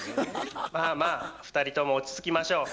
まあまあ２人とも落ち着きましょう。